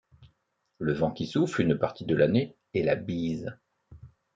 Le vent qui souffle une partie de l'année est la bise.